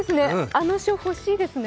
あの書、欲しいですね。